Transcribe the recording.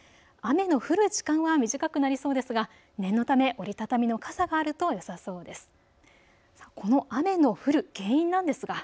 雨の降る時間が短くなりそうですが、念のため折り畳みの傘があるとよさそうです。